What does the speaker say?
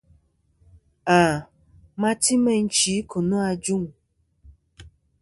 À ma ti meyn chi kɨ̀ nô ajûŋ.